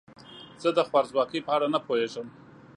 زه د خوارځواکۍ په اړه نه پوهیږم.